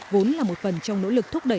vốn là một phần trong nỗ lực thúc đẩy